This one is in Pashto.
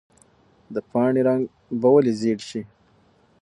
د پاڼې رنګ به ولې ژېړ شي؟